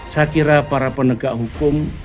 saya kira para penegak hukum